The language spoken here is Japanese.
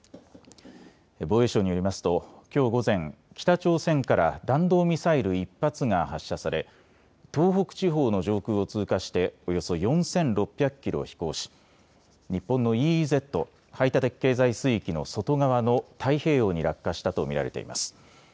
防衛省によりますときょう午前、北朝鮮から弾道ミサイル１発が発射され東北地方の上空を通過しておよそ４６００キロ飛行し、日本のＥＥＺ・排他的経済水域の外側の太平洋に落下したと見られています。